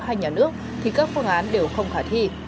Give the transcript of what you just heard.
hay nhà nước thì các phương án đều không khả thi